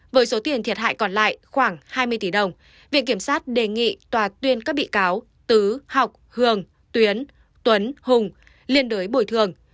với số tiền thiệt hại còn lại khoảng hai mươi tỷ đồng viện kiểm sát đề nghị tòa tuyên các bị cáo tứ học hường tuyến tuấn hùng liên đối bồi thường